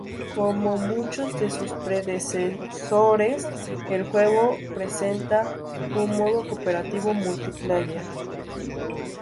Como muchos de sus predecesores, el juego presenta un modo cooperativo multiplayer.